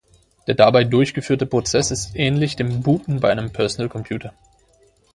Der dabei durchgeführte Prozess ist ähnlich dem Booten bei einem Personal Computer.